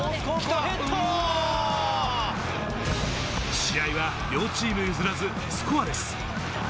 試合は両チーム譲らず、スコアレス。